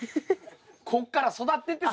こっから育ってって